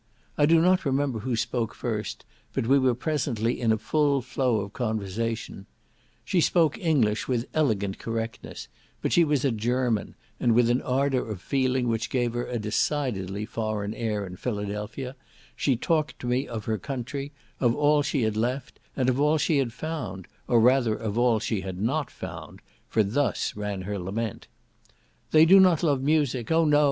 I do not remember who spoke first, but we were presently in a full flow of conversation. She spoke English with elegant correctness, but she was a German, and with an ardour of feeling which gave her a decidedly foreign air in Philadelphia, she talked to me of her country, of all she had left, and of all she had found, or rather of all she had not found, for thus ran her lament: "They do not love music. Oh no!